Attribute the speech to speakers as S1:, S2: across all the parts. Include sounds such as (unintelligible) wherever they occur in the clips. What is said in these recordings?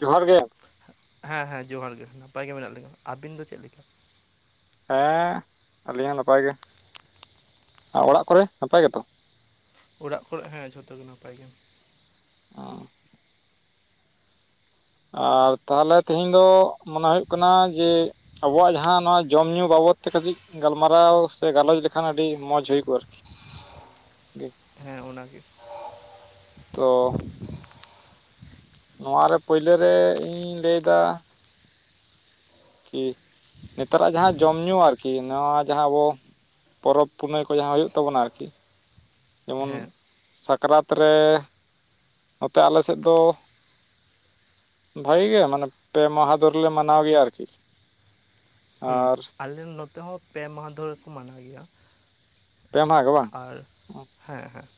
S1: ᱡᱚᱦᱟᱨ ᱜᱮ,
S2: ᱦᱮᱸ-ᱦᱮᱸ ᱡᱚᱦᱟᱨ ᱜᱮ ᱱᱟᱯᱟᱭ ᱜᱮ ᱢᱮᱱᱟᱜ ᱞᱤᱧᱟ, ᱟᱵᱤᱱ ᱫᱚ ᱪᱮᱫ ᱞᱮᱠᱟ?
S1: ᱦᱮᱸ ᱟᱹᱞᱤᱧ ᱦᱚᱸ ᱱᱟᱯᱟᱭ ᱜᱮ, ᱚᱲᱟᱜ ᱠᱚᱨᱮ ᱱᱟᱯᱟᱭ ᱜᱮ ᱛᱚ?
S2: ᱚᱲᱟᱜ ᱠᱚᱨᱮᱜ ᱦᱮᱸ ᱡᱷᱚᱛᱚ ᱜᱮ ᱱᱟᱯᱟᱭ ᱜᱮ᱾
S1: ᱚᱸ ᱟᱨ ᱛᱟᱦᱚᱞᱮ ᱛᱮᱦᱮᱧ ᱫᱚ ᱢᱚᱱᱮ ᱦᱤᱭᱩᱜ ᱠᱟᱱᱟ ᱡᱮᱼᱼ ᱟᱵᱚᱣᱟᱜ ᱡᱟᱦᱟᱸ ᱱᱚᱣᱟ ᱡᱚᱢ ᱧᱩ ᱵᱟᱵᱚᱫ ᱛᱮ ᱠᱟᱹᱴᱤᱡᱼᱼ ᱜᱟᱞᱢᱟᱨᱟᱣ ᱥᱮ ᱜᱟᱞᱚᱪ ᱞᱮᱠᱷᱟᱱ ᱟᱹᱰᱤ ᱢᱚᱸᱡᱽ ᱦᱩᱭ ᱠᱚᱜ-ᱟ ᱟᱨᱠᱤ, ᱜᱤ
S2: ᱦᱮᱸ ᱚᱱᱟᱜᱮᱼᱼ
S1: ᱛᱚᱼᱼ ᱱᱚᱣᱟ ᱨᱮ ᱯᱳᱭᱞᱳ ᱨᱮ ᱤᱧᱤᱧ ᱞᱟᱹᱭ ᱮᱫᱟᱼᱼ ᱠᱤ ᱱᱮᱛᱟᱨᱟᱜ ᱡᱟᱦᱟᱸ ᱡᱚᱢ ᱧᱩ ᱟᱨᱠᱤ ᱱᱚᱣᱟ ᱡᱟᱦᱟᱸ ᱟᱵᱚᱼᱼ ᱯᱚᱨᱚᱵᱽ-ᱯᱩᱱᱟᱹᱭ ᱠᱚ ᱡᱟᱦᱟᱸ ᱦᱩᱭᱩᱜ ᱛᱟᱵᱚᱱᱟ ᱟᱨᱠᱤ, ᱡᱮᱢᱚᱱ
S2: ᱦᱮᱸ
S1: ᱥᱟᱠᱨᱟᱛ ᱨᱮ ᱱᱚᱛᱮ ᱟᱞᱮᱥᱮᱫ ᱫᱚᱼᱼ ᱵᱷᱟᱜᱤ ᱜᱮ ᱢᱟᱱᱮ ᱯᱮ ᱢᱟᱦᱟ ᱫᱷᱩᱨ ᱞᱮ ᱢᱟᱱᱟᱣ ᱜᱮᱭᱟ ᱟᱨᱠᱤ᱾
S2: ᱦᱩᱸ
S1: ᱟᱨ
S2: ᱟᱞᱮ ᱱᱚᱛᱮ ᱦᱚᱸ ᱯᱮ ᱢᱟᱦᱟ ᱫᱷᱚᱨᱮ ᱠᱚ ᱢᱟᱱᱟᱣ ᱜᱮᱭᱟ,
S1: ᱯᱮ ᱢᱟᱦᱟ ᱜᱮ ᱵᱟᱝ?
S2: ᱟᱨ ᱦᱮᱸ-ᱦᱮᱸ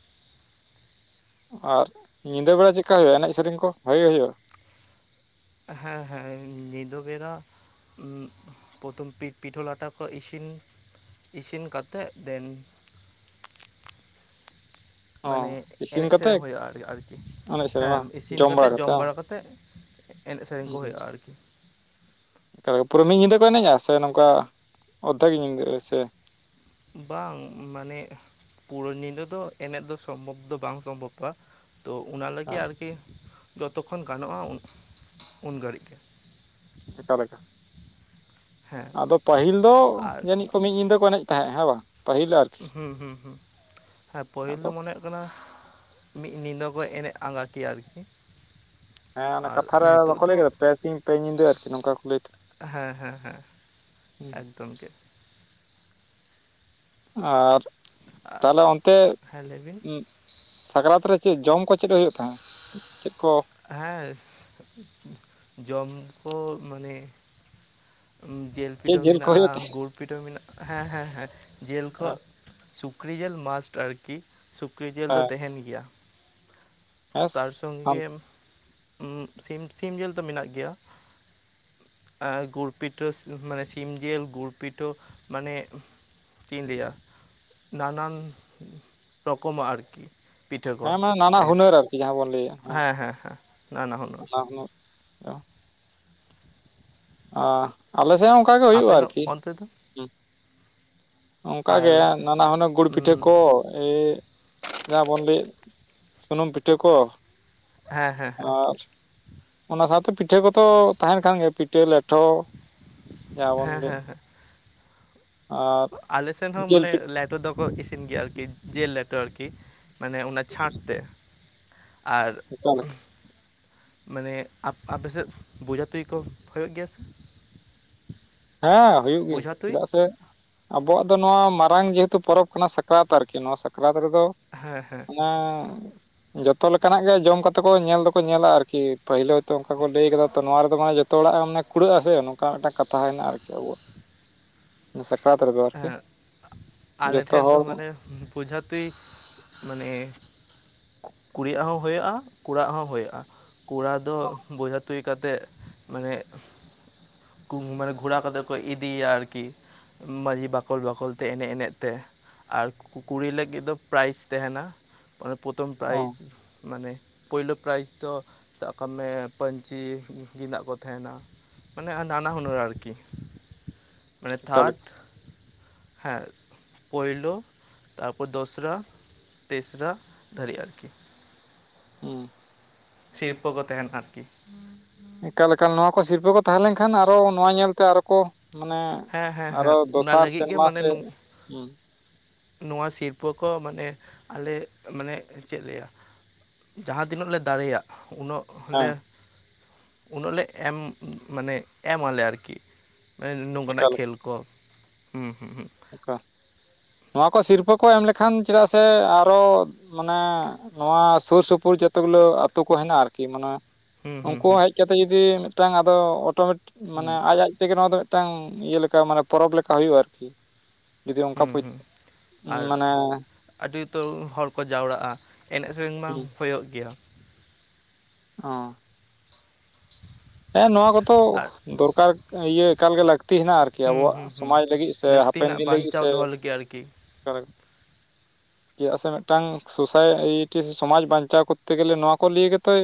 S1: ᱟᱨ ᱧᱤᱫᱟᱹ ᱵᱮᱲᱟ ᱪᱮᱫᱠᱟ ᱦᱩᱭᱩᱜ-ᱟ ᱮᱱᱮᱡ ᱥᱮᱨᱮᱧ ᱠᱚ ᱵᱷᱟᱜᱮ ᱦᱩᱭᱩᱜ-ᱟ?
S2: ᱦᱮᱸ ᱦᱮᱸ ᱧᱤᱫᱟᱹ ᱵᱮᱲᱟᱼᱼ ᱯᱨᱚᱛᱷᱚᱢ ᱯᱤᱴᱷᱟᱹ ᱞᱟᱴᱷᱟ ᱠᱚ ᱤᱥᱤᱱᱼᱼ ᱤᱥᱤᱱ ᱠᱟᱛᱮᱫ ᱫᱮᱱ,
S1: ᱚᱸ
S2: ᱢᱟᱱᱮ ᱮᱱᱮᱡ ᱥᱮᱨᱮᱧ ᱦᱩᱭᱩᱜ-ᱟ ᱟᱨᱠᱤ,
S1: ᱥᱮᱨᱮᱧ ᱵᱟᱝ
S2: ᱦᱮᱸ ᱤᱥᱤᱱ ᱠᱟᱛᱮᱫ
S1: ᱠᱟᱛᱮ
S2: ᱡᱚᱢ
S1: ᱵᱟᱝ
S2: ᱵᱟᱲᱟ ᱠᱟᱛᱮᱫ, ᱮᱱᱮᱡ ᱥᱮᱨᱮᱧ ᱠᱚ ᱦᱩᱭᱩᱜ-ᱟ ᱟᱨᱠᱤᱼᱼ
S1: ᱯᱩᱨᱟᱹ ᱢᱤᱫ ᱧᱤᱫᱟᱹ ᱠᱚ ᱮᱱᱮᱡ-ᱟ ᱥᱮ ᱱᱚᱝᱠᱟ ᱚᱫᱷᱮᱠ ᱧᱤᱫᱟᱹ ᱥᱮᱼᱼ
S2: ᱵᱟᱝ ᱢᱟᱱᱮ ᱯᱩᱨᱟᱹ ᱧᱤᱫᱟᱹ ᱫᱚ ᱮᱱᱮᱡ ᱫᱚ ᱥᱚᱢᱵᱷᱚᱵᱽ ᱫᱚ ᱵᱟᱝ ᱥᱚᱢᱵᱷᱚᱯ-ᱟ, ᱛᱚ ᱚᱱᱟ ᱞᱟᱹᱜᱤᱫ ᱟᱨᱠᱤ ᱡᱚᱛᱚᱠᱷᱚᱱ ᱜᱟᱱᱚᱜ-ᱟ ᱩᱱ ᱜᱷᱟᱹᱲᱤᱡ ᱜᱮ,
S1: ᱪᱮᱠᱟ ᱞᱮᱠᱟᱼᱼ
S2: ᱦᱮᱸ
S1: ᱟᱫᱚ ᱯᱟᱹᱦᱤᱞ ᱫᱚ
S2: ᱟᱨ
S1: ᱡᱟᱹᱱᱤᱡ ᱠᱚ ᱢᱤᱫ ᱧᱤᱫᱟᱹ ᱠᱚ ᱮᱱᱮᱡ ᱛᱟᱦᱮᱸᱜ ᱦᱮᱸ ᱵᱟᱝ? ᱯᱟᱹᱦᱤᱞ ᱟᱨᱠᱤ
S2: ᱦᱩᱸ-ᱦᱩᱸ-ᱦᱩᱸ ᱦᱮᱸ ᱯᱟᱹᱦᱤᱞ
S1: ᱟᱫᱚ
S2: ᱫᱚ ᱢᱚᱱᱮᱼᱼ ᱠᱟᱱᱟᱦ ᱢᱤᱫ ᱧᱤᱫᱟᱹ ᱠᱚ ᱮᱱᱮᱡ ᱟᱸᱜᱟ ᱠᱮᱭᱟ ᱟᱨᱠᱤ,
S1: ᱦᱮᱸ ᱚᱱᱟ
S2: ᱟᱨ
S1: ᱠᱟᱛᱷᱟ ᱨᱮ
S2: ᱱᱤᱛᱚᱜ
S1: ᱵᱟᱠᱚ
S2: ᱫᱚ
S1: ᱞᱟᱹᱭ ᱠᱟᱫᱟ ᱯᱮ ᱥᱤᱧ ᱯᱮ ᱧᱤᱫᱟᱹ ᱟᱨᱠᱤ ᱱᱚᱝᱠᱟ ᱠᱚ ᱞᱟᱹᱭᱼᱼ
S2: ᱦᱮᱸ-ᱦᱮᱸ-ᱦᱮᱸ
S1: ᱦᱩᱸ
S2: ᱛᱚᱢᱠᱮᱫᱼᱼ
S1: ᱟᱨ ᱛᱟᱦᱞᱮ ᱚᱱᱛᱮᱼᱼ
S2: ᱦᱮᱸ ᱞᱟᱹᱭ ᱵᱤᱱ
S1: ᱥᱟᱠᱨᱟᱛ ᱨᱮ ᱪᱮᱫ ᱡᱚᱢ ᱠᱚ ᱪᱮᱫ ᱠᱚ ᱦᱩᱭᱩᱜ ᱛᱟᱦᱮᱸᱫ? ᱪᱮᱫ ᱠᱚᱼᱼ
S2: ᱦᱮᱸ ᱡᱚᱢ ᱠᱚ ᱢᱟᱱᱮᱼᱼ ᱡᱤᱞ
S1: ᱪᱮᱫ
S2: ᱯᱤᱴᱷᱟᱹ
S1: ᱠᱚ ᱦᱩᱭᱩᱜ
S2: ᱢᱮᱱᱟᱜ-ᱟ ᱜᱩᱲ ᱯᱤᱴᱷᱟᱹ ᱢᱮᱱᱟᱜ ᱦᱮᱸ-ᱦᱮᱸ-ᱦᱮᱸ ᱡᱤᱞ ᱠᱚᱼᱼ
S1: ᱛᱟᱦᱮᱸᱫ
S2: ᱥᱩᱠᱨᱤ ᱡᱤᱞ ᱢᱟᱥᱴ ᱟᱨᱠᱤ ᱥᱩᱠᱨᱤ ᱡᱤᱞ ᱫᱚ
S1: ᱦᱮᱸ
S2: ᱛᱟᱦᱮᱸᱱ ᱜᱮᱭᱟ, ᱛᱟᱨ ᱥᱚᱝ-ᱜᱮ ᱥᱤᱢ, ᱡᱤᱞ ᱫᱚ ᱢᱮᱱᱟᱜ ᱜᱮᱭᱟ᱾ ᱟᱸ ᱜᱩᱨᱯᱤᱴᱷᱟᱹ ᱥᱮ ᱢᱟᱱᱮ ᱥᱤᱢ ᱡᱮᱹᱞ ᱜᱩᱨᱯᱤᱴᱳ ᱢᱟᱱᱮ ᱪᱮᱫ ᱤᱧ ᱞᱟᱹᱭᱟ, ᱱᱟᱱᱟᱱ ᱨᱚᱠᱚᱢᱟᱜ ᱟᱨᱠᱤ ᱾
S1: ᱦᱮᱸ ᱢᱟ ᱱᱟᱱᱟ ᱦᱩᱱᱟᱹᱨ ᱟᱨᱠᱤ ᱡᱟᱦᱟᱸ ᱵᱚᱱ ᱞᱟᱹᱭᱟ ᱦᱮᱸ
S2: ᱦᱮᱸ ᱱᱟᱱᱟ ᱦᱩᱱᱟᱹᱨ
S1: ᱱᱟᱱᱟᱦᱩᱱᱟᱹᱨ ᱪᱚ ᱾ ᱟ, ᱟᱞᱮ ᱥᱮᱫ ᱦᱚᱸ ᱚᱱᱠᱟ᱾
S2: ᱟᱯᱮᱱᱚᱜ ᱚᱱᱛᱮ ᱫᱚ?
S1: ᱚᱱᱠᱟ
S2: ᱟᱨ
S1: ᱜᱮ, ᱱᱟᱱᱟ ᱦᱩᱱᱟᱹᱨ ᱜᱩᱲ ᱯᱤᱴᱷᱟᱹ
S2: ᱦᱮᱸ
S1: ᱠᱚᱻ ᱾ ᱮᱹᱻᱜ ᱡᱟᱦᱟᱸ ᱵᱚᱱ ᱞᱟᱹᱭᱮᱫ ᱥᱩᱱᱩᱢ ᱯᱤᱴᱷᱟᱹ ᱠᱚ᱾
S2: ᱦᱮᱸ ᱦᱮᱸ
S1: ᱟ-ᱨ-ᱨ ᱾ ᱚᱱᱟ ᱥᱟᱶᱛᱮ ᱯᱤᱴᱷᱟᱹ ᱠᱚᱛᱚ ᱛᱟᱦᱮᱱ ᱠᱟᱱᱟ ᱜᱮᱭᱟ ᱯᱤᱴᱷᱟᱹ ᱞᱮᱴᱷᱚ ᱡᱟᱦᱟᱸᱵᱚᱱ
S2: ᱦᱮᱸ
S1: ᱞᱟᱹᱭ ᱾
S2: ᱦᱮᱸ ᱟᱞᱮ ᱥᱮᱱ ᱦᱚᱸ
S1: ᱡᱤᱞ
S2: ᱢᱟᱱᱮ
S1: ᱯᱤᱴᱷᱟᱹ
S2: ᱞᱮᱴᱚ ᱫᱚ ᱠᱚ ᱤᱥᱤᱱ ᱜᱮᱭᱟ ᱟᱨᱠᱤ ᱡᱮᱞ ᱞᱮᱴᱚ ᱟᱨᱠᱤ ᱢᱟᱱᱮ ᱚᱱᱟ ᱪᱷᱟᱸᱴ ᱛᱮ ᱾ ᱟᱼᱨ-ᱨᱜ ᱾
S1: ᱮᱠᱟ-ᱞᱮᱹᱠ
S2: ᱢᱟᱱᱮ, ᱟᱯᱮ ᱥᱮᱫ ᱵᱚᱡᱷᱟ ᱛᱩᱭ ᱠᱚ ᱦᱳᱭᱳᱜ ᱜᱮᱭᱟ ᱥᱮ?
S1: ᱦᱮᱸ, ᱦᱩᱭᱩᱜ ᱜᱮᱭᱟ
S2: ᱵᱳᱡᱷᱟ ᱛᱩᱧ
S1: ᱪᱮᱫᱟᱜ ᱥᱮ ᱟᱵᱚᱣᱟᱜ ᱫᱚ ᱱᱚᱣᱟ ᱢᱟᱨᱟᱝ ᱡᱮᱹᱦᱮᱹᱛᱩ ᱯᱚᱨᱚᱵᱽ ᱠᱟᱱᱟ ᱥᱟᱠᱨᱟᱛ ᱟᱨᱠᱤ ᱱᱚᱣᱟ ᱥᱟᱠᱨᱟᱛ ᱨᱮᱫᱚ
S2: ᱦᱮᱸ, ᱦᱮᱸ ᱾
S1: ᱮᱸᱻᱻ, ᱡᱚᱛᱚ ᱞᱮᱠᱟᱱᱟᱜ ᱜᱮ ᱡᱚᱢ ᱠᱟᱛᱮ ᱠᱚ ᱧᱮᱞ ᱫᱚᱠᱚ ᱧᱮᱞᱟ ᱟᱨᱠᱤ ᱾ ᱯᱟᱹᱦᱤᱞ ᱦᱚᱭᱛᱚ ᱚᱱᱠᱟ ᱠᱚ ᱞᱟᱹᱭ ᱟᱠᱟᱫᱟ ᱛᱚ ᱱᱚᱣᱟ ᱨᱮᱫᱚ ᱢᱟᱱᱮ ᱡᱚᱛᱚ ᱦᱚᱲᱟᱜ ᱢᱟᱱᱮ ᱠᱩᱲᱟᱹᱜ ᱟᱥ ᱥᱮ ᱱᱚᱝᱠᱟ ᱢᱤᱫ ᱴᱟᱝ ᱠᱟᱛᱷ ᱛᱟᱦᱮᱱᱟ ᱟᱨᱠᱤ ᱟᱵᱚᱣᱟᱜ ᱥᱟᱠᱨᱟᱛ ᱨᱮᱫᱚ ᱟᱨᱠᱤ
S2: ᱦᱮᱸ
S1: ᱡᱚᱛᱚ ᱦᱚᱲ
S2: ᱯᱨᱚᱡᱷᱟᱛᱤ ᱢᱟᱱᱮ ᱠᱩᱲᱤ ᱭᱟᱜ ᱦᱚᱸ ᱦᱳᱭᱳᱜᱼᱟ ᱠᱚᱲᱟᱣ ᱟᱜ ᱦᱚᱸ ᱦᱳᱭᱳᱜᱼᱟ ᱠᱚᱲᱟ ᱫᱚ ᱵᱚᱭ ᱛᱩᱭ ᱠᱟᱛᱮᱜ ᱢᱟᱱᱮ ᱜᱷᱩᱢ ᱢᱟᱱᱮ ᱜᱷᱚᱲᱟ ᱠᱟᱛᱮ ᱠᱚ ᱤᱫᱤᱭᱮᱭᱟ ᱟᱨᱠᱤ ᱾ ᱢᱟᱺᱡᱷᱤ ᱵᱟᱠᱚᱞ ᱵᱟᱠᱚᱞ ᱛᱮ ᱮᱱᱮᱡ ᱮᱱᱮᱡ ᱛᱮ ᱟᱨ ᱠᱩᱲᱤ ᱞᱟᱹᱜᱤᱫ ᱫᱚ ᱯᱨᱟᱭᱤᱡᱽ ᱛᱟᱦᱮᱱᱟ, ᱯᱨᱚᱛᱷᱚᱢ
S1: ᱚ
S2: ᱯᱨᱟᱭᱤᱡᱽ ᱢᱟᱱᱮ ᱯᱳᱭᱞᱳ ᱯᱨᱟᱭᱤᱡᱽ ᱫᱚ ᱥᱟᱵ ᱠᱟᱜ ᱢᱮ ᱯᱟᱹᱧᱪᱤ ᱜᱮᱸᱫᱟᱜ ᱠᱚ ᱛᱟᱦᱮᱱᱟ᱾ ᱢᱟᱱᱮ ᱱᱟᱱᱟ ᱦᱩᱱᱟᱹᱨ ᱟᱨᱠᱤ ᱢᱟᱱᱮ
S1: ᱮᱠᱟᱞ
S2: ᱛᱷᱟᱨᱰ -ᱼ ᱦᱮᱸ, ᱯᱳᱭᱞᱳ ᱛᱟᱯᱚᱨ ᱫᱚᱥᱨᱟ ᱾ ᱛᱮᱥᱨᱟ ᱫᱷᱟᱹᱨᱤᱡ ᱟᱨᱠᱤ ᱾
S1: ᱩᱺ ᱾
S2: ᱥᱤᱨᱯᱟᱹ ᱠᱚ ᱛᱟᱦᱮᱸᱱᱟ ᱟᱨᱠᱤ ᱾
S1: ᱮᱠᱟᱞ ᱮᱠᱟᱞ ᱱᱚᱣᱟ ᱠᱚ ᱥᱤᱨᱯᱟᱹ ᱠᱚ ᱛᱟᱦᱮᱸ ᱞᱮᱱᱠᱷᱟᱱ ᱟᱨᱦᱚᱸ ᱱᱚᱣᱟ ᱧᱮᱞᱛᱮ ᱟ ᱨᱚᱠᱚ, ᱢᱟᱱᱮ,
S2: ᱦᱮᱸ ᱦᱮᱸ ᱦᱮᱸ
S1: ᱟᱨᱦᱚᱸ
S2: ᱚᱱᱟ
S1: ᱫᱚᱥᱟᱨ
S2: ᱞᱟᱹᱜᱤᱫ ᱜᱮ
S1: ᱥᱮᱨᱢᱟ
S2: ᱢᱟᱱᱮ
S1: ᱥᱮ, ᱩᱺ ᱾
S2: ᱱᱚᱣᱟ ᱥᱤᱨᱯᱟᱹ ᱠᱚ ᱢᱟᱱᱮ ᱟᱞᱮ ᱢᱟᱱᱮ ᱪᱮᱫ ᱞᱟᱹᱭᱟ? ᱡᱟᱦᱟᱸ ᱛᱤᱱᱟᱹᱜ ᱞᱮ ᱫᱟᱲᱮᱹᱭᱟᱜ ᱩᱱᱟᱹᱜ
S1: ᱦᱮᱸ
S2: ᱞᱮ ᱩᱱᱟᱹᱜ ᱞᱮ ᱮᱢ ᱢᱟᱱᱮ ᱮᱢᱟᱞᱮ ᱟᱨᱠᱤ ᱾ ᱢᱟᱱᱮ ᱱᱳᱠ ᱠᱟᱱᱟᱜ
S1: ᱮᱠᱟᱞ
S2: ᱠᱷᱮᱞ ᱠᱚ
S1: ᱠᱟ ᱱᱚᱣᱟ ᱠᱚ ᱥᱤᱨᱯᱟᱹ ᱠᱚ ᱮᱢ ᱞᱮᱠᱷᱟᱱ ᱪᱮᱫᱟᱜ ᱥᱮ ᱟᱨᱚ ᱢᱟᱱᱮ, ᱱᱚᱣᱟ ᱥᱳᱨ ᱥᱳᱯᱳᱨ ᱡᱚᱛᱚ ᱜᱩᱞᱟᱹ ᱟᱛ ᱛᱳ ᱠᱚ ᱦᱮᱱᱟᱜ-ᱟ ᱟᱨᱠᱤ ᱢᱟᱱᱮ
S2: ᱦᱩᱸ ᱦᱩᱸ ᱦᱩᱸ
S1: ᱩᱱᱠᱩ
S2: ᱦᱩᱸ
S1: ᱦᱮᱡ ᱠᱟᱛᱮ ᱡᱩᱫᱤ ᱢᱤᱫᱴᱟᱝ ᱟᱫᱚ ᱚᱴᱳᱢᱮᱴ
S2: ᱦᱩᱸ
S1: ᱢᱟᱱᱮ ᱟᱡ ᱟᱡ ᱛᱮᱜᱮ ᱱᱚᱣᱟ ᱫᱚ ᱢᱤᱫᱴᱟᱝ ᱤᱭᱟᱹ ᱞᱮᱠᱟ ᱢᱟᱱᱮ ᱯᱚᱨᱚᱵᱽ ᱞᱮᱠᱟ ᱦᱳᱭᱳᱜ-ᱟ ᱟᱨᱠᱤ ᱾
S2: ᱦᱩᱸ ᱦᱩᱸ
S1: ᱢᱟᱱᱮ
S2: ᱟ-ᱨ-ᱩᱸᱦ ᱾ ᱟᱹᱰᱤ ᱩᱛᱟᱹᱨ ᱦᱚᱲ ᱠᱚ ᱡᱟᱣᱨᱟᱜ-ᱟ ᱮᱱᱮᱡ ᱥᱮᱹᱨᱮᱹᱧ ᱢᱟ
S1: ᱦᱩᱸ
S2: ᱦᱳᱭᱳᱜ ᱜᱮᱭᱟ ᱾
S1: ᱦᱚᱸ ᱾ ᱦᱮᱸ ᱱᱚᱣᱟ ᱠᱚᱛᱚ
S2: ᱟᱨ
S1: ᱫᱚᱨᱠᱟᱨ ᱤᱭᱟᱹ ᱮᱠᱟᱞ ᱜᱮ ᱞᱟᱹᱠᱛᱤ ᱦᱮᱱᱟᱜ-ᱟ ᱟᱨᱠᱤ ᱾ ᱟᱵᱚᱣᱟᱜ ᱥᱚᱢᱟᱡᱽ ᱞᱟᱹᱜᱤᱫ ᱥᱮ
S2: ᱞᱟᱹᱠᱛᱤ
S1: ᱦᱟᱯᱮᱱ
S2: ᱦᱮᱱᱟᱜ
S1: ᱫᱤᱱ ᱞᱟᱹᱜᱤᱫ
S2: ᱵᱟᱧᱪᱟᱣ
S1: ᱥᱮ,
S2: ᱫᱚᱦᱚ ᱞᱟᱹᱜᱤᱫ ᱟᱨᱠᱤ
S1: (unintelligible) (inaudible) ᱪᱮᱫᱟᱜ ᱥᱮ ᱢᱤᱫᱴᱟᱝ ᱥᱳᱥᱟᱭ ᱤᱴᱤ ᱥᱮ ᱥᱚᱢᱟᱡᱽ ᱵᱟᱧᱪᱟᱣ ᱠᱚᱨᱛᱮ ᱜᱮᱞᱮ ᱱᱚᱣᱟ ᱠᱚ ᱞᱤᱭᱮ ᱜᱮᱛᱚᱭᱼᱼ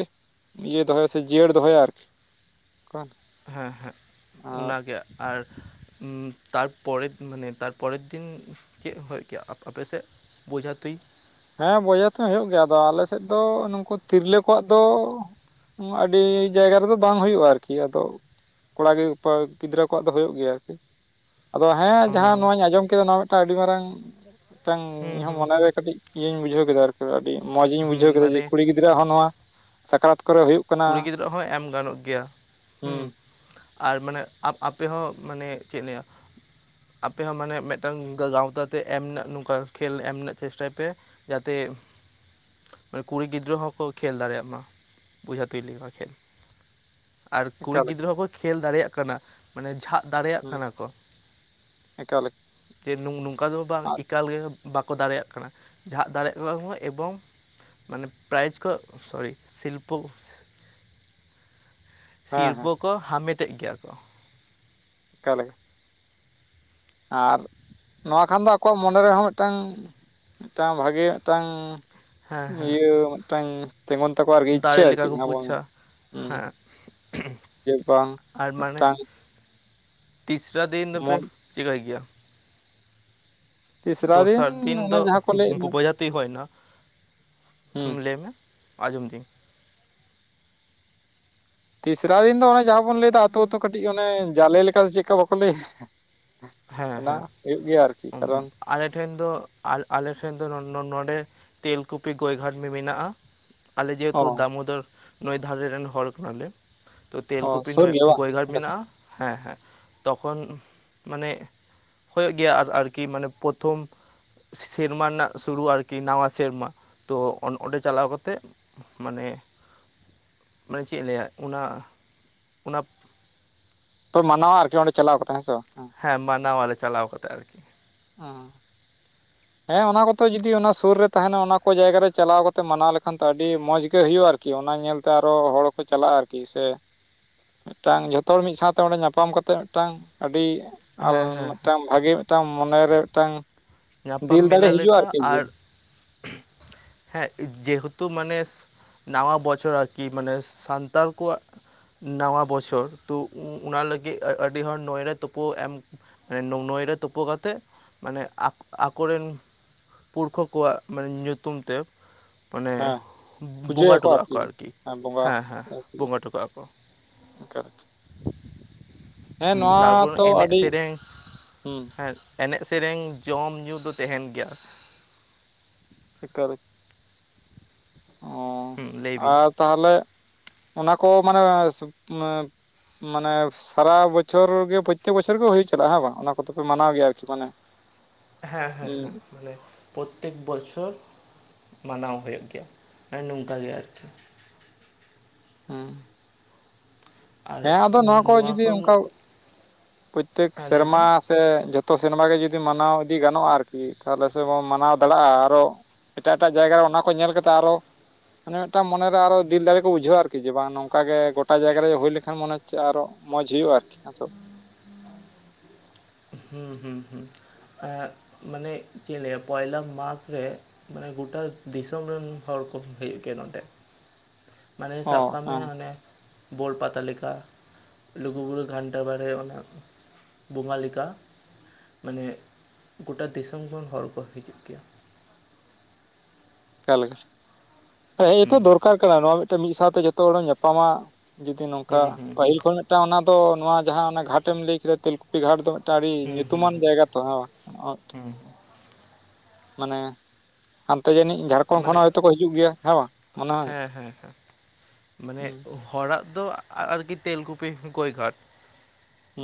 S1: ᱤᱭᱟᱹ ᱫᱚᱦᱚᱭᱟ ᱥᱮ ᱡᱤᱭᱟᱹᱲ ᱫᱚᱦᱚᱭᱟ ᱟᱨᱠᱤ ᱾ ᱠᱟᱸᱜᱼᱼ
S2: ᱦᱮᱸ ᱦᱮᱸ, ᱚᱱᱟᱜᱮ ᱟᱨᱼᱼ ᱦᱩᱸ ᱛᱟᱨᱯᱚᱨᱮᱨ ᱫᱤᱱ ᱢᱟᱱᱮ ᱛᱟᱨᱯᱚᱨᱮᱨ ᱫᱤᱱ, ᱪᱮᱫ ᱦᱩᱭᱩᱜ ᱜᱮᱭᱟ ᱟᱯᱮ ᱥᱮᱫ? ᱵᱚᱡᱷᱟ ᱛᱩᱭ ᱾
S1: ᱦᱮᱸ ᱵᱚᱡᱷᱟ ᱛᱩᱧ ᱦᱩᱭᱩᱜ ᱜᱮᱭᱟ, ᱟᱫᱚ ᱟᱞᱮ ᱥᱮᱫ ᱫᱚ ᱱᱩᱠᱩ ᱛᱤᱨᱞᱟᱹ ᱠᱚᱣᱟᱜ ᱫᱚᱼᱼ ᱟᱹᱰᱤ ᱡᱟᱭᱜᱟ ᱨᱮᱫᱚ ᱵᱟᱝ ᱦᱩᱭᱩᱜ-ᱟ ᱟᱨᱠᱤ ᱟᱫᱚ ᱾ ᱠᱚᱲᱟ ᱜᱮ (inaudible) ᱜᱤᱫᱽᱨᱟᱹ ᱠᱚᱣᱟᱜ ᱫᱚ ᱦᱩᱭᱩᱜ ᱜᱮᱭᱟ ᱟᱨᱠᱤ ᱾ ᱟᱫᱚ ᱦᱮᱸ
S2: ᱚ
S1: ᱡᱟᱦᱟᱸ ᱱᱚᱣᱟᱧ ᱟᱸᱡᱚᱢ ᱠᱮᱫᱟ ᱱᱚᱣᱟ ᱢᱤᱫᱴᱟᱝ ᱟᱹᱰᱤ ᱢᱟᱨᱟᱝ, ᱢᱤᱫᱴᱟᱝ
S2: ᱦᱩᱸ
S1: ᱤᱧᱦᱚᱸ
S2: ᱦᱩᱸ ᱦᱩᱸ
S1: ᱢᱚᱱᱮᱨᱮ ᱠᱟᱹᱴᱤᱡᱼᱼ ᱤᱭᱟᱹᱧ ᱵᱩᱡᱷᱟᱹᱣ ᱠᱮᱫᱟ ᱟᱨᱠᱤ ᱟᱹᱰᱤ ᱢᱚᱸᱡᱽ ᱤᱧ
S2: ᱦᱩᱸ
S1: ᱵᱩᱡᱷᱟᱹᱣ ᱠᱮᱫᱟ ᱡᱮ
S2: ᱢᱟᱱᱮ
S1: ᱠᱩᱲᱤ ᱜᱤᱫᱽᱨᱟᱹ ᱦᱚᱸ ᱱᱚᱣᱟᱼᱼ ᱥᱟᱠᱨᱟᱛ ᱠᱚᱨᱮ ᱦᱩᱭᱩᱜ ᱠᱟᱱᱟ ᱾
S2: ᱨᱮ ᱦᱚᱸ ᱮᱢ ᱜᱟᱱᱚᱜ ᱜᱮᱭᱟ, ᱦᱩᱸᱼᱼ ᱟᱨ ᱢᱟᱱᱮ ᱟᱯ ᱟᱯᱮ ᱦᱚᱸ ᱢᱟᱱᱮ ᱪᱮᱫ ᱞᱟᱹᱭᱟ ᱾ ᱟᱯᱮ ᱦᱚᱸ ᱢᱟᱱᱮ ᱢᱤᱫᱴᱟᱝ ᱜᱟᱶᱛᱟ ᱛᱮ ᱮᱢ ᱨᱮᱱᱟᱜ ᱱᱚᱝᱠᱟ ᱠᱷᱮᱞ ᱮᱢ ᱨᱮᱱᱟᱜ ᱪᱮᱥᱴᱟᱭ ᱯᱮ ᱾ ᱡᱟᱛᱮ, ᱠᱩᱲᱤ ᱜᱤᱫᱽᱨᱟᱹ ᱦᱚᱸ ᱠᱚ ᱠᱷᱮᱞ ᱫᱟᱲᱮᱭᱟᱜ ᱢᱟ ᱾ ᱵᱩᱡᱷᱟ ᱛᱩᱧ ᱞᱮᱠᱟᱱᱟᱜ ᱠᱷᱮᱞ ᱾ ᱟᱨ ᱠᱩᱲᱤ
S1: ᱮᱠᱟᱞ ᱜᱮ
S2: ᱜᱤᱫᱽᱨᱟᱹ ᱦᱚᱸᱠᱚ ᱠᱷᱮᱞ ᱫᱟᱲᱮᱭᱟᱜ ᱠᱟᱱᱟ ᱾ ᱢᱟᱱᱮ ᱡᱷᱟᱜ ᱫᱟᱲᱮᱭᱟᱜ
S1: ᱦᱩᱸ
S2: ᱠᱟᱱᱟ ᱠᱚ,
S1: ᱮᱠᱟᱞ ᱜᱮ
S2: ᱡᱮ ᱱᱩᱝ ᱱᱩᱝᱼᱼ ᱱᱚᱝᱠᱟ ᱫᱚ ᱵᱟᱝ
S1: ᱟᱨ
S2: ᱮᱠᱟᱞ ᱜᱮ ᱵᱟᱠᱚ ᱫᱟᱲᱮᱭᱟᱜ ᱠᱟᱱᱟ, ᱡᱟᱜ ᱫᱟᱲᱮᱭᱟᱜ ᱠᱟᱱᱟ ᱠᱚ ᱮᱵᱚᱝᱼᱼ ᱢᱟᱱᱮ ᱯᱨᱟᱭᱤᱡᱽ ᱠᱚ ᱥᱚᱨᱤ ᱥᱤᱞᱯᱟᱹᱼᱼ
S1: ᱦᱮᱸ
S2: ᱥᱤᱨᱯᱟᱹ
S1: ᱦᱮᱸ
S2: ᱠᱚ ᱦᱟᱢᱮᱴᱮᱫ ᱜᱮᱭᱟ ᱠᱚ ᱾
S1: ᱮᱠᱟᱞᱮ ᱟᱨ ᱱᱚᱣᱟ ᱠᱷᱟᱱ ᱫᱚ ᱟᱠᱚᱣᱟᱜ ᱢᱚᱱᱮ ᱨᱮᱦᱚᱸ ᱢᱤᱫᱴᱟᱝᱼᱼ ᱴᱟ ᱵᱷᱟᱜᱤ ᱢᱤᱫᱴᱟᱝᱼᱼ
S2: ᱦᱮᱸ ᱦᱮᱸ
S1: ᱤᱭᱟᱹ ᱢᱤᱫᱴᱟᱝ ᱛᱤᱜᱩᱱ ᱛᱟᱠᱚᱣᱟ ᱟᱨᱠᱤ ᱤᱪᱪᱷᱟᱹ
S2: ᱫᱟᱲᱮ ᱞᱮᱠᱟ ᱠᱚ
S1: ᱡᱟᱦᱟᱸ ᱵᱚᱱ,
S2: ᱵᱩᱡᱟ
S1: ᱦᱩᱸᱼᱼ
S2: ᱦᱮᱸ
S1: ᱡᱮ ᱵᱟᱝ,
S2: ᱟᱨ ᱢᱟᱱᱮ
S1: ᱢᱤᱫᱴᱟᱝᱼᱼ
S2: ᱛᱤᱥᱨᱟ ᱫᱤᱱ ᱫᱚᱯᱮ ᱪᱤᱠᱟᱭ ᱜᱮᱭᱟ?
S1: ᱛᱤᱥᱨᱟ
S2: ᱫᱚᱥᱟᱨ ᱫᱤᱱ
S1: ᱚᱱᱮ
S2: ᱫᱚ
S1: ᱡᱟᱦᱟᱸ ᱠᱚ ᱞᱟᱹᱭᱮᱫ
S2: ᱵᱚᱻᱚ, ᱵᱚᱡᱷᱟ ᱛᱩᱧ ᱦᱩᱭᱱᱟ,
S1: ᱦᱩᱸ
S2: ᱞᱟᱹᱭᱢᱮ ᱾ ᱟᱡᱚᱢ ᱫᱟᱹᱧᱼᱼ
S1: ᱛᱤᱥᱨᱟ ᱫᱤᱱ ᱫᱚ ᱚᱱᱮ ᱡᱟᱦᱟᱸ ᱵᱚᱱ ᱞᱟᱹᱭᱮᱫᱟ ᱟᱹᱛᱩ ᱟᱹᱛᱩ ᱠᱟᱹᱴᱤᱡ ᱚᱱᱮ, ᱡᱟᱞᱮ ᱞᱮᱠᱟ ᱥᱮ ᱪᱮᱫᱠᱟ ᱵᱟᱠᱚ ᱞᱟᱹᱭᱟ ᱾ ᱚᱱᱟ ᱦᱩᱭᱩᱜ ᱜᱮᱭᱟ ᱟᱨᱠᱤ, ᱠᱟᱨᱚᱱᱼᱼ
S2: ᱟᱞᱮᱴᱷᱮᱱ ᱫᱚ ᱟᱞ ᱟᱞᱮᱴᱷᱮᱱ ᱫᱚ ᱱᱚᱱ ᱱᱚᱰᱮᱼᱼ ᱛᱮᱞᱠᱩᱯᱤ ᱜᱚᱭ ᱜᱷᱟᱴ ᱢᱮ ᱢᱮᱱᱟᱜᱼᱟ ᱾ ᱟᱞᱮ
S1: ᱚ
S2: ᱡᱮᱦᱮᱛᱩ ᱫᱟᱢᱳᱫᱚᱨ ᱱᱟᱹᱭ ᱫᱷᱟᱨᱮ ᱨᱮᱱ ᱦᱚᱲ ᱠᱟᱱᱟᱞᱮ ᱾
S1: ᱚ
S2: ᱛᱮᱞᱠᱩᱯᱤ
S1: ᱥᱩᱨ
S2: ᱱᱟᱹᱭ
S1: ᱜᱮᱭᱟ ᱵᱟᱝ
S2: ᱜᱚᱭᱜᱷᱟᱴ
S1: ᱚᱸᱰᱮ ᱠᱷᱚᱱ
S2: ᱢᱮᱱᱟᱜᱼᱟ ᱦᱮᱸ ᱦᱮᱸ ᱛᱚᱠᱷᱚᱱ, ᱢᱟᱱᱮᱼᱼ ᱦᱩᱭᱩᱜ ᱜᱮᱭᱟ ᱟᱨ ᱟᱨᱠᱤ ᱢᱟᱱᱮ ᱯᱨᱚᱛᱷᱚᱢᱼᱼ ᱥᱮᱨᱢᱟ ᱨᱮᱱᱟᱜ ᱥᱩᱨᱩ ᱟᱨᱠᱤ ᱱᱟᱣᱟ ᱥᱮᱨᱢᱟ, ᱛᱚ ᱚᱱ ᱚᱸᱰᱮ ᱪᱟᱞᱟᱣ ᱠᱟᱛᱮᱫᱼᱼ ᱢᱟᱱᱮ, ᱢᱟᱱᱮ ᱪᱮᱫ ᱤᱧ ᱞᱟᱹᱭᱟ ᱚᱱᱟ, ᱚᱱᱟᱼᱼ
S1: ᱛᱚ ᱢᱟᱱᱟᱣᱟ ᱟᱨᱠᱤ ᱚᱸᱰᱮ ᱪᱟᱞᱟᱣ ᱠᱟᱛᱮ ᱦᱮᱸᱥᱮ ᱾
S2: ᱦᱮᱸ ᱢᱟᱱᱟᱣᱟᱞᱮ ᱪᱟᱞᱟᱣ ᱠᱟᱛᱮ ᱾
S1: ᱚᱸ ᱦᱮᱸ ᱚᱱᱟ ᱠᱚᱛᱮ ᱡᱩᱫᱤ ᱚᱱᱟ ᱥᱩᱨ ᱨᱮ ᱛᱟᱸᱦᱮᱱᱟ ᱚᱱᱟ ᱠᱚ ᱡᱟᱭᱜᱟ ᱨᱮ ᱪᱟᱞᱟᱣ ᱠᱟᱛᱮ ᱢᱟᱱᱟᱣ ᱞᱮᱠᱷᱟᱱ ᱛᱚ ᱟᱹᱰᱤ ᱢᱚᱸᱡᱽ ᱜᱮ ᱦᱩᱭᱩᱜᱼᱟ ᱾ ᱠᱤ ᱚᱱᱟ ᱧᱮᱞᱛᱮ ᱟᱨᱚ ᱦᱚᱲ ᱠᱚ ᱪᱟᱞᱟᱜᱼᱟ ᱟᱨᱠᱤ ᱥᱮᱼᱼ ᱢᱤᱫᱴᱟᱝ ᱡᱷᱚᱛᱚ ᱦᱚᱲ ᱢᱤᱫ ᱥᱟᱶᱛᱮ ᱚᱸᱰᱮ ᱧᱟᱯᱟᱢ ᱠᱟᱛᱮᱫ ᱢᱤᱫᱴᱟᱝ ᱟᱹᱰᱤᱼᱼ ᱟᱨ
S2: ᱦᱮᱸ ᱦᱮᱸ ᱦᱮᱸ
S1: ᱢᱤᱫᱴᱟᱝ ᱵᱷᱟᱜᱮ ᱢᱤᱫᱴᱟᱝ ᱢᱚᱱᱮᱨᱮ ᱢᱤᱫᱴᱟᱝ
S2: ᱧᱟᱯᱟᱢ
S1: ᱫᱤᱞ ᱫᱟᱲᱮ
S2: ᱢᱮᱞᱟ
S1: ᱦᱤᱡᱩᱜᱼᱟ
S2: ᱞᱮᱠᱟ
S1: ᱟᱨᱠᱤ ᱡᱮᱼᱼ
S2: ᱟᱨ ᱦᱮᱸ ᱡᱮᱦᱮᱛᱩ ᱢᱟᱱᱮ ᱱᱟᱣᱟ ᱵᱚᱪᱷᱚᱨ ᱟᱨᱠᱤ ᱢᱟᱱᱮ ᱥᱟᱱᱛᱟᱞ ᱠᱚᱣᱟᱜᱼᱼ ᱱᱟᱣᱟ ᱵᱚᱪᱷᱚᱨ ᱛᱚ ᱚᱱᱟ ᱞᱟᱹᱜᱤᱫ ᱟᱹᱰᱤ ᱦᱚᱲ ᱱᱚᱭᱨᱮ ᱛᱳᱯᱩ ᱮᱢᱼᱼ ᱱᱚᱭ ᱨᱮ ᱛᱳᱯᱳ ᱠᱟᱛᱮ ᱢᱟᱱᱮ ᱟᱠᱼᱼ ᱟᱠᱚᱨᱮᱱ ᱯᱩᱨᱠᱷᱚ ᱠᱚᱣᱟᱜ ᱢᱟᱱᱮ ᱧᱩᱛᱩᱢ ᱛᱮᱼᱼ ᱢᱟᱱᱮ
S1: ᱦᱮᱸ
S2: ᱵᱚᱸᱜᱟ ᱴᱚᱠᱟᱜ ᱟᱠᱚ ᱟᱨᱠᱤ ᱦᱮᱸ ᱦᱮᱸ ᱵᱚᱸᱜᱟ ᱴᱚᱠᱟᱜ ᱟᱠᱚ᱾
S1: ᱮᱠᱟᱞ
S2: ᱦᱮᱸ ᱛᱟᱨᱯᱚᱨ
S1: ᱛᱚ
S2: ᱮᱱᱮᱡ
S1: ᱟᱹᱰᱤ
S2: ᱥᱮᱨᱮᱧ
S1: ᱦᱩᱸ
S2: ᱦᱮᱸ ᱮᱱᱮᱡ ᱥᱮᱨᱮᱧ ᱡᱚᱢᱧᱩ ᱫᱚ ᱛᱮᱦᱮᱱ ᱜᱮᱭᱟ᱾
S1: ᱮᱠᱟᱞ᱾ ᱚ
S2: ᱦᱩᱸ ᱞᱟᱹᱭ ᱵᱤᱱ,
S1: ᱟᱨ ᱛᱟᱦᱚᱞᱮ ᱚᱱᱟ ᱠᱚ ᱢᱟᱱᱮ ᱢᱟᱱᱮᱼᱼ ᱥᱟᱨᱟ ᱵᱚᱪᱷᱚᱨ ᱜᱮ ᱯᱨᱚᱛᱛᱮᱠ ᱵᱚᱪᱷᱚᱨ ᱜᱮ ᱦᱩᱭᱩᱜ ᱪᱟᱞᱟᱜᱼᱟ ᱦᱮ ᱵᱟᱝ ᱚᱱᱟ ᱠᱚᱫᱚᱯᱮ ᱢᱟᱱᱟᱣ ᱜᱮᱭᱟ ᱟᱨᱠᱤ ᱢᱟᱱᱮᱼᱼ
S2: ᱦᱮᱸ ᱦᱮᱸ ᱦᱮᱸ ᱵᱚᱞᱮ, ᱯᱨᱚᱛᱛᱮᱠ ᱵᱚᱪᱷᱚᱨ ᱢᱟᱱᱟᱣ ᱦᱩᱭᱩᱜ ᱜᱮᱭᱟ ᱢᱟᱱᱮ ᱱᱚᱝᱠᱟ ᱜᱮ ᱟᱨᱠᱤ᱾
S1: ᱦᱩᱸ
S2: ᱟᱨ
S1: ᱦᱮᱸ ᱟᱫᱚ ᱱᱚᱣᱟ ᱠᱚ ᱡᱩᱫᱤ ᱚᱱᱠᱟ ᱯᱨᱚᱛᱛᱮᱠ
S2: ᱦᱮᱸ ᱞᱟᱹᱭ
S1: ᱥᱮᱨᱢᱟᱼᱼ
S2: ᱵᱤᱱ
S1: ᱥᱮ ᱡᱚᱛᱚ ᱥᱮᱨᱢᱟ ᱜᱮ ᱡᱩᱫᱤ ᱢᱟᱱᱟᱣ ᱤᱫᱤ ᱜᱟᱱᱚᱜᱼᱟ ᱟᱨᱠᱤ ᱛᱟᱦᱚᱞᱮ ᱥᱮᱵᱚᱱ ᱢᱟᱱᱟᱣ ᱫᱟᱲᱮᱭᱟᱜᱼᱟ ᱟᱨᱚᱼᱼ ᱮᱴᱟᱜ ᱮᱴᱟᱜ ᱡᱟᱭᱜᱟ ᱨᱮ ᱚᱱᱟ ᱠᱚ ᱧᱮᱞ ᱠᱟᱛᱮᱫ ᱟᱨᱚ ᱢᱤᱫᱴᱟᱝ ᱢᱚᱱᱮᱨᱮ ᱟᱨᱚ ᱫᱤᱞ ᱫᱟᱲᱮ ᱠᱚ ᱵᱩᱡᱷᱟᱹᱣᱟ ᱟᱨᱠᱤ᱾ ᱡᱮ ᱵᱟᱝ ᱱᱚᱝᱠᱟ ᱜᱮ ᱜᱚᱴᱟ ᱡᱟᱭᱜᱟ ᱨᱮ ᱦᱩᱭ ᱞᱮᱱᱠᱷᱟᱱ ᱢᱚᱱᱮ ᱦᱚᱪᱮ ᱟᱨᱚ ᱢᱚᱸᱡᱽ ᱦᱩᱭᱩᱜᱼᱟ ᱟᱨᱠᱤ ᱥᱮᱼᱼ
S2: ᱦᱩᱸ ᱦᱩᱸ ᱦᱩᱸ ᱢᱟᱱᱮ ᱪᱮᱫ ᱞᱟᱹᱭᱟ ᱯᱚᱭᱞᱟ ᱢᱟᱜᱽ ᱨᱮ ᱼᱼ ᱢᱟᱱᱮ ᱜᱚᱴᱟ ᱫᱤᱥᱚᱢ ᱨᱮᱱ ᱦᱚᱲ ᱠᱚ ᱦᱮᱜ ᱠᱮ ᱱᱚᱸᱰᱮ᱾ ᱢᱟᱱᱮ
S1: ᱚ
S2: ᱥᱟᱵ ᱠᱟᱜ ᱢᱮ
S1: ᱦᱮᱸ
S2: ᱦᱟᱱᱮᱼᱼ ᱵᱳᱲ ᱯᱟᱛᱟ ᱞᱮᱠᱟ ᱞᱩᱜᱩᱵᱩᱨᱩ ᱜᱷᱟᱱᱴᱟ ᱵᱟᱲᱮ ᱚᱱᱮᱼᱼ ᱵᱚᱸᱜᱟ ᱞᱮᱠᱟ ᱢᱟᱱᱮ ᱜᱚᱴᱟ ᱫᱤᱥᱚᱢ ᱠᱷᱚᱱ ᱦᱚᱲ ᱠᱚ ᱦᱤᱡᱩᱜ ᱜᱮᱭᱟ᱾
S1: ᱠᱟ ᱞᱮᱠᱟ (inaudible) ᱦᱮᱸᱛᱚ
S2: ᱦᱩᱸ
S1: ᱫᱚᱨᱠᱟᱨ ᱠᱟᱱᱟ ᱱᱚᱣᱟ ᱢᱤᱫᱴᱮᱱ ᱢᱤᱫ ᱥᱟᱶᱛᱮ ᱡᱚᱛᱚ ᱦᱚᱲ ᱧᱟᱯᱟᱢᱟ ᱡᱩᱫᱤ ᱱᱚᱝᱠᱟ
S2: ᱦᱩᱸ ᱦᱩᱸ ᱦᱩᱸ
S1: ᱯᱟᱹᱦᱤᱞ ᱠᱷᱚᱱ᱾ ᱚᱱᱟ ᱫᱚ ᱱᱚᱣᱟ ᱡᱟᱦᱟᱸ ᱚᱱᱟ ᱜᱷᱟᱴᱮᱢ ᱞᱟᱹᱭ ᱠᱮᱫᱟ ᱛᱤᱞᱠᱩᱼᱼ ᱜᱷᱟᱴ ᱫᱚ ᱢᱤᱫᱴᱟᱝ ᱟᱹᱰᱤ
S2: ᱦᱩᱸ ᱦᱩᱸ
S1: ᱧᱩᱛᱩᱢᱟᱱ
S2: ᱦᱩᱸ
S1: ᱡᱟᱭᱜᱟ ᱛᱚ ᱦᱚᱸᱼᱼ
S2: ᱦᱩᱸ
S1: ᱢᱟᱱᱮ ᱦᱟᱱᱛᱮ ᱡᱟᱹᱱᱤᱡ ᱡᱷᱟᱲᱠᱷᱚᱸᱰ ᱠᱷᱚᱱ ᱦᱚᱸ
S2: ᱢᱟᱱᱮ
S1: ᱦᱚᱭᱛᱳ ᱠᱚ ᱦᱤᱡᱩᱜ ᱜᱮᱭᱟ ᱦᱮᱸ ᱵᱟᱝ? ᱢᱚᱱᱮ ᱦᱚᱭ
S2: ᱦᱮᱸ ᱦᱮᱸ ᱦᱮᱸ ᱢᱟᱱᱮᱼᱼ
S1: ᱦᱩᱸ
S2: ᱦᱚᱲᱟᱜ ᱫᱚ ᱟᱨᱠᱤ ᱛᱮᱞᱠᱩᱯᱤ ᱜᱳᱭᱜᱷᱟᱴ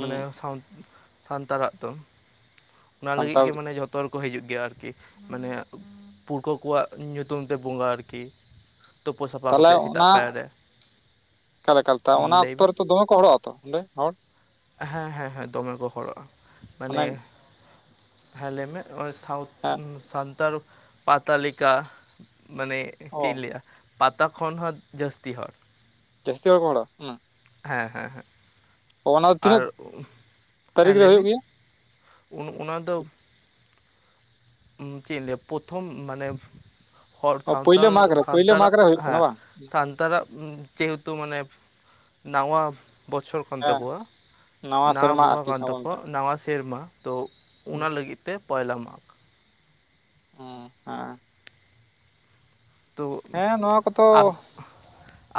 S2: ᱢᱟᱱᱮ ᱥᱟᱶᱼᱼ ᱥᱟᱱᱛᱟᱲᱟᱜ ᱫᱚ ᱚᱱᱟ ᱞᱟᱹᱜᱤᱫ
S1: ᱥᱟᱱᱛᱟᱲ
S2: ᱜᱮ ᱢᱟᱱᱮ ᱡᱷᱚᱛᱚᱼᱼ ᱛᱚ ᱦᱚᱲᱠᱚ ᱦᱤᱡᱩᱜ ᱜᱮᱭᱟ ᱟᱨᱠᱤ ᱢᱟᱱᱮ ᱯᱩᱨᱠᱷᱟᱹ ᱠᱚᱣᱟᱜ ᱤᱧ ᱧᱩᱛᱩᱢ ᱛᱮ ᱵᱚᱸᱜᱟ ᱟᱨᱠᱤ, ᱛᱳᱯᱳ ᱥᱟᱯᱷᱟ
S1: ᱛᱟᱦᱚᱞᱮ
S2: ᱠᱟᱛᱮ ᱥᱮᱛᱟᱜ ᱯᱟᱭᱟᱨ ᱨᱮ,
S1: ᱮᱠᱟᱞ ᱮᱠᱟᱞ ᱛᱟ ᱚᱱᱟ
S2: ᱞᱟᱹᱭ
S1: ᱚᱠᱛᱚ
S2: ᱵᱤᱱ
S1: ᱨᱮᱛᱚ ᱫᱚᱢᱮ ᱠᱚ ᱦᱚᱲᱚᱜ ᱼᱟ ᱛᱚ ᱚᱸᱰᱮ ᱦᱚᱲ᱾
S2: ᱦᱮᱸ ᱦᱮᱸ ᱦᱮᱸ ᱫᱚᱢᱮ ᱠᱚ ᱦᱚᱲᱚᱜᱼᱟ
S1: ᱢᱟᱱᱮ
S2: ᱢᱟᱱᱮᱼᱼ ᱦᱮᱸ ᱞᱟᱹᱭ ᱢᱮᱭ
S1: ᱦᱮᱸ
S2: ᱥᱟᱱᱛᱟᱲ ᱯᱟᱛᱟ ᱞᱤᱠᱟ ᱢᱟᱱᱮᱼᱼ
S1: ᱚ
S2: ᱪᱮᱫ ᱤᱧ ᱞᱟᱹᱭᱟ ᱯᱟᱛᱟ ᱠᱷᱚᱱ ᱦᱚᱸ ᱡᱟᱹᱥᱛᱤ ᱦᱚᱲ ᱾
S1: ᱡᱟᱹᱥᱛᱤ ᱦᱚᱲ ᱠᱚ ᱜᱚᱸᱰᱟ ᱚᱱᱟ
S2: ᱦᱮᱸ ᱦᱮᱸ ᱦᱮᱸ
S1: ᱚᱱᱟ ᱫᱚ
S2: ᱟᱨ
S1: ᱛᱤᱱᱟᱹᱜ
S2: ᱦᱮᱸ
S1: ᱛᱟᱹᱨᱤᱠᱷ ᱨᱮ
S2: ᱞᱟᱹᱭ ᱢᱤ?
S1: ᱦᱩᱭᱩᱜ ᱜᱮᱭᱟ
S2: ᱩᱱ ᱚᱱᱟ ᱫᱚ ᱪᱮᱫ ᱤᱧ ᱞᱟᱹᱭᱟ ᱯᱚᱛᱷᱚᱢ ᱢᱟᱱᱮ ᱦᱚᱲ
S1: ᱚ ᱯᱳᱭᱞᱳ
S2: ᱥᱟᱱᱛᱟᱞ
S1: ᱢᱟᱜᱽ ᱨᱮ ᱯᱳᱭᱞᱳ ᱢᱟᱜᱽ
S2: ᱥᱟᱱᱛᱟᱲᱟᱜ
S1: ᱨᱮ ᱦᱩᱭᱩᱜ ᱠᱟᱱᱟ
S2: ᱦᱮᱸ
S1: ᱵᱟᱝ
S2: ᱥᱟᱱᱛᱟᱲᱟᱜ ᱡᱮᱦᱮᱛᱩ ᱢᱟᱱᱮ ᱱᱟᱣᱟ ᱵᱚᱪᱷᱚᱨ ᱠᱟᱱ
S1: ᱦᱮᱸ
S2: ᱛᱟᱠᱚᱣᱟ ᱱᱟᱣᱟ
S1: ᱥᱮᱨᱢᱟ
S2: ᱵᱚᱸᱜᱟ
S1: ᱟᱨᱠᱤ
S2: ᱠᱟᱱ
S1: ᱡᱟᱦᱟᱸ ᱵᱚᱱ
S2: ᱛᱟᱠᱚᱣᱟ
S1: ᱢᱮᱛᱟᱜ
S2: ᱱᱟᱣᱟ ᱥᱮᱨᱢᱟ ᱛᱳ ᱚᱱᱟ
S1: ᱠᱟᱱᱟ
S2: ᱞᱟᱹᱜᱤᱫ ᱛᱮ ᱯᱚᱭᱞᱟ ᱢᱟᱜᱽ ᱾
S1: ᱦᱩᱸ ᱦᱮᱸ ᱾
S2: ᱛᱳ
S1: ᱦᱮᱸ ᱱᱚᱣᱟ ᱠᱚᱫᱚ
S2: ᱟᱵ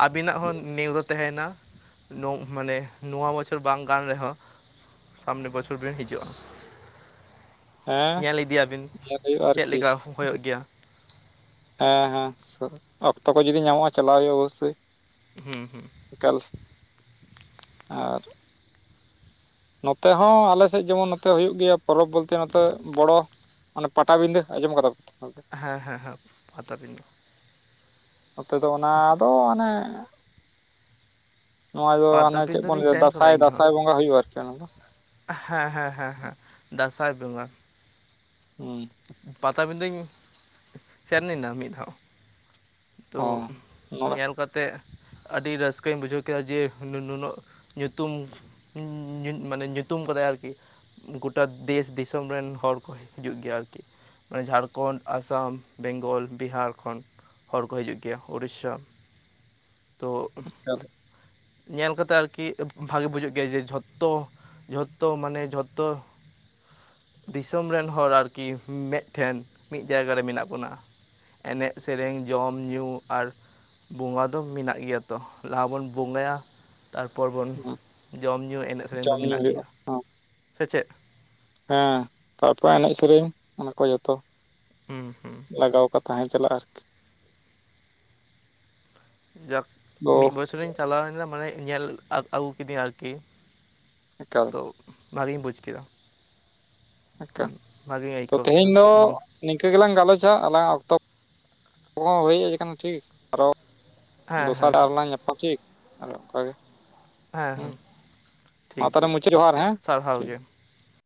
S2: ᱟᱵᱤᱱᱟᱜ ᱦᱚᱸ ᱱᱮᱣᱛᱟᱹ ᱛᱟᱦᱮᱸᱱᱟ ᱢᱟᱱᱮ ᱱᱚᱣᱟ ᱵᱚᱪᱷᱚᱨ ᱵᱟᱝ ᱠᱟᱱᱟ ᱨᱮᱦᱚᱸ ᱥᱟᱢᱱᱮ ᱵᱚᱪᱷᱚᱨ ᱵᱤᱱ ᱦᱤᱡᱩᱜᱼᱟ ᱾
S1: ᱦᱮᱸ
S2: ᱧᱮᱞ ᱤᱫᱤᱭᱟᱵᱤᱱ
S1: ᱧᱮᱞ ᱦᱩᱭᱩᱜᱼᱟ
S2: ᱾ ᱪᱮᱫ
S1: ᱟᱨᱠᱤ
S2: ᱞᱮᱠᱟ ᱦᱳᱭᱳᱜ ᱜᱮᱭᱟ?
S1: ᱦᱮᱸ ᱦᱮᱸ ᱚᱠᱛᱚ ᱠᱚ ᱡᱩᱫᱤ ᱧᱟᱢᱚᱜᱼᱟ ᱪᱟᱞᱟᱣ ᱦᱩᱭᱩᱜᱼᱟ ᱚᱵᱚᱥᱳᱭ ᱾
S2: ᱦᱩᱸ ᱦᱩᱸ ᱾
S1: ᱮᱠᱟᱞᱥ ᱟᱨ ᱱᱚᱛᱮ ᱦᱚᱸ ᱟᱞᱮ ᱥᱮᱫ ᱡᱮᱢᱚᱱ ᱱᱚᱛᱮ ᱦᱩᱭᱩᱜ ᱜᱮᱭᱟ ᱯᱚᱨᱚᱵᱽ ᱵᱚᱞᱛᱮ ᱱᱚᱛᱮ ᱵᱚᱲᱚ ᱟᱜ ᱾ ᱚᱱᱮ ᱯᱟᱴᱟᱵᱤᱸᱫᱟᱹ ᱟᱸᱡᱚᱢ ᱠᱟᱫᱟᱯᱮ?
S2: ᱦᱮᱸ ᱦᱮᱸ ᱦᱮᱸ ᱯᱟᱛᱟ ᱵᱤᱱᱫᱟᱹ ᱾
S1: ᱱᱚᱛᱮ ᱫᱚ ᱚᱱᱟ ᱫᱚ ᱢᱟᱱᱮ ᱱᱚᱣᱟ ᱫᱚ ᱟᱱᱮ ᱪᱮᱫ
S2: ᱯᱟᱴᱟᱵᱤᱸᱫᱟᱹ
S1: ᱵᱚᱱ
S2: ᱞᱤᱧ
S1: ᱞᱟᱹᱭᱫᱟ
S2: ᱥᱮᱱ ᱠᱟᱱᱟ
S1: ᱫᱟᱸᱥᱟᱭ
S2: ᱤᱧᱦᱚᱸ
S1: ᱫᱟᱸᱥᱟᱭ ᱵᱚᱸᱜᱟ ᱦᱩᱭᱩᱜᱼᱟ ᱟᱨᱠᱤ ᱚᱱᱟ ᱫᱚ ᱾
S2: ᱦᱮᱸ ᱦᱮᱸ ᱦᱮᱸ ᱦᱮᱸ ᱫᱟᱸᱥᱟᱭ ᱵᱮᱸᱜᱟ ᱾
S1: ᱦᱩᱸ ᱾
S2: ᱯᱟᱛᱟ ᱵᱤᱫᱟᱹᱧ ᱥᱮᱱ ᱞᱮᱱᱟ ᱢᱤᱫ ᱫᱷᱟᱣ ᱾ ᱛᱳ
S1: ᱚ ᱱᱚᱰᱮ
S2: ᱧᱮᱞ ᱠᱟᱛᱮᱜ ᱟᱹᱰᱤ ᱨᱟᱹᱥᱠᱟᱹᱧ ᱵᱩᱡᱷᱟᱹᱣ ᱠᱮᱜᱼᱟ ᱡᱮ ᱞᱩᱱᱟᱹᱜ ᱧᱩᱛᱩᱢ ᱢᱟᱱᱮ ᱧᱩ ᱧᱩᱛᱩᱢ ᱠᱟᱫᱟᱭ ᱟᱨᱠᱤ ᱜᱚᱴᱟ ᱫᱮᱥ ᱫᱤᱥᱚᱢ ᱨᱮᱱ ᱦᱚᱲ ᱠᱚ ᱦᱤᱡᱩᱜ ᱜᱮᱭᱟ ᱟᱨᱠᱤ ᱾ ᱢᱟᱱᱮ ᱡᱷᱟᱲᱠᱷᱚᱸᱱ, ᱟᱥᱟᱢ, ᱵᱮᱝᱜᱚᱞ, ᱵᱤᱦᱟᱨ ᱠᱷᱚᱱ ᱾ ᱦᱚᱲ ᱠᱚ ᱦᱤᱡᱩᱜ ᱜᱮᱭᱟ ᱩᱲᱤᱥᱟ
S1: (inaudible)
S2: ᱛᱳ ᱧᱮᱞ ᱠᱟᱛᱮᱜ ᱟᱨᱠᱤ ᱵᱷᱟᱜᱮ ᱵᱩᱡᱟᱹᱜ ᱜᱮᱭᱟ ᱡᱮ ᱡᱷᱚᱛᱚ ᱡᱷᱚᱛᱚ ᱢᱟᱱᱮ ᱡᱷᱚᱛᱚ ᱫᱤᱥᱚᱢ ᱨᱮᱱ ᱦᱚᱲ ᱟᱨᱠᱤ ᱢᱮᱛ ᱴᱷᱮᱱ ᱢᱤᱫ ᱡᱟᱭᱜᱟ ᱨᱮ ᱢᱮᱱᱟᱜ ᱵᱚᱱᱟ ᱾ ᱮᱱᱮᱡ ᱥᱮᱨᱮᱧ ᱡᱚᱢ ᱧᱩ ᱟᱨ ᱵᱚᱸᱜᱟ ᱫᱚ ᱢᱮᱱᱟᱜ ᱜᱮᱭᱟ ᱛᱚ ᱞᱟᱦᱟ ᱵᱚᱱ ᱵᱚᱸᱜᱟᱭᱟ ᱛᱟᱨᱯᱚᱨ ᱵᱚᱱ ᱡᱚᱢ ᱧᱩ ᱮᱱᱮᱡ ᱥᱮᱨᱮᱧ ᱫᱚ
S1: ᱡᱚᱢ ᱧᱩ
S2: ᱢᱮᱱᱟᱜ
S1: ᱦᱩᱭᱩᱜᱼᱟ
S2: ᱜᱮᱭᱟ
S1: ᱦᱚᱸ,
S2: ᱾ᱥᱮ ᱪᱮᱫ?
S1: ᱦᱮᱸ ᱯᱟᱛᱟ ᱮᱱᱮᱡ ᱥᱮᱨᱮᱧ ᱚᱱᱟ ᱠᱚ ᱡᱷᱚᱛᱚ
S2: ᱦᱩᱸ ᱦᱩᱸ ᱾
S1: ᱞᱟᱜᱟᱣ ᱟᱠᱟ ᱛᱟᱦᱮᱸ ᱪᱟᱞᱟᱜᱼᱟ ᱟᱨᱠᱤ
S2: ᱡᱟᱠ
S1: ᱚ
S2: ᱢᱤᱫ ᱵᱚᱪᱷᱚᱨᱤᱧ ᱪᱟᱞᱟᱣᱞᱮᱱᱟ ᱢᱟᱱᱮ ᱧᱮᱞ ᱟᱹᱜᱩ ᱟᱹᱜᱩ ᱠᱤᱫᱤᱧ ᱟᱨᱠᱤ
S1: ᱮᱠᱟᱞ
S2: ᱾ ᱛᱳ ᱵᱷᱹᱜᱤᱧ ᱵᱩᱡᱽ ᱠᱮᱫᱟ
S1: ᱮᱠᱟᱞ
S2: ᱾ ᱵᱷᱟᱜᱮᱧ
S1: ᱛᱚ
S2: ᱟᱹᱭᱠᱟᱹᱣ ᱠᱮᱫᱟ
S1: ᱛᱮᱦᱮᱧ ᱫᱚ
S2: ᱦᱩᱸ ᱾
S1: ᱱᱤᱝᱠᱟᱹ ᱜᱮᱞᱟᱝ ᱜᱟᱞᱚᱪᱟ ᱟᱞᱟᱝᱼᱟᱜ ᱚᱠᱛᱚ ᱠᱚᱦᱚᱸ ᱦᱳᱭ ᱦᱮᱡ ᱠᱟᱱᱟ ᱴᱷᱤᱠ ᱟᱨᱚ
S2: ᱦᱮᱸ
S1: ᱫᱚᱥᱟᱨ
S2: ᱦᱮᱸ
S1: ᱟᱨᱞᱟᱝ ᱧᱟᱯᱟᱢᱟ ᱴᱷᱤᱠ ᱚᱱᱠᱟᱜᱮ ᱾
S2: ᱦᱮᱸ
S1: ᱦᱩᱸ
S2: ᱦᱮᱸ
S1: ᱢᱟ
S2: ᱴᱷᱤᱠ
S1: ᱛᱟᱦᱞᱮ
S2: ᱜᱮᱭᱟ
S1: ᱢᱩᱪᱟᱹᱫ ᱡᱚᱦᱟᱨ ᱦᱮᱸ
S2: ᱥᱟᱨᱦᱟᱣ
S1: ᱴᱷᱤᱠ
S2: ᱜᱮ ᱾